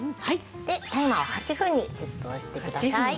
でタイマーを８分にセットしてください。